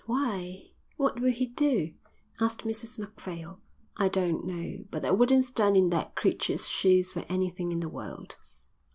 "Why, what will he do?" asked Mrs Macphail. "I don't know, but I wouldn't stand in that creature's shoes for anything in the world."